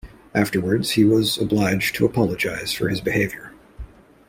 Afterwards, he was obliged to apologize for his behaviour.